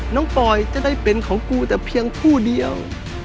ปอยจะได้เป็นของกูแต่เพียงผู้เดียว